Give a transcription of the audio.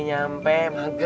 sampai jumpa lagi